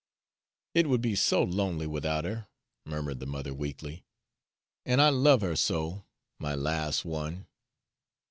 "It would be so lonely without her," murmured the mother weakly, "an' I love her so my las' one!"